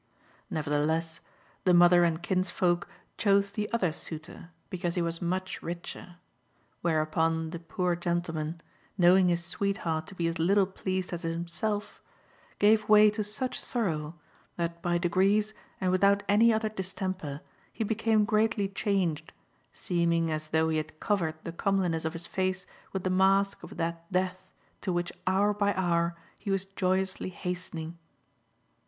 Nevertheless, the mother and kinsfolk chose the other suitor, because he was much richer; where upon the poor gentleman, knowing his sweetheart to be as little pleased as himself, gave way to such sorrow, that by degrees, and without any other distemper, he became greatly changed, seeming as though he had covered the comeliness of his face with the mask of that death, to which hour by hour he was joyously hastening.